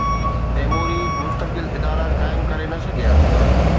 تيموري مستقل ادارا قائم ڪري نه سگھيا.